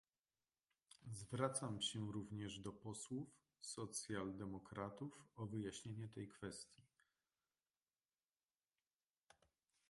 Zwracam się również do posłów socjaldemokratów o wyjaśnienie tej kwestii